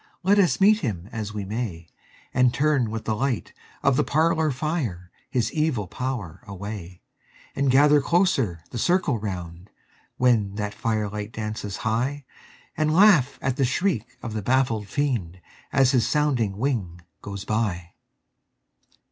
Let us meet him as we may, And turn with the light of the parlor fire his evil power away; And gather closer the circle round, when that fire light dances high, And laugh at the shriek of the baffled Fiend as his sounding wing goes by!